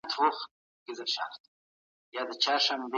زموږ دري ژبي هيوادوالو پښتو ژبه نه زده کوله او